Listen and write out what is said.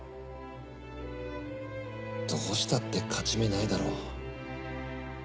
どうしたって勝ち目ないだろう。